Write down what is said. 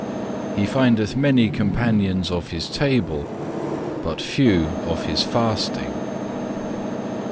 He findeth many companions of His table, but few of His fasting.